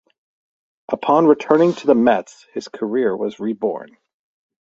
Upon returning to the Mets, his career was reborn.